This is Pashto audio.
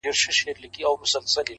دا خو ډيره گرانه ده،